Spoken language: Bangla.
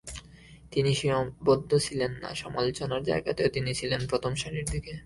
তিনি সীমাবদ্ধ ছিলেন না সমালোচনার জায়গাতেও তিনি ছিলেন প্রথম সারির দিকে।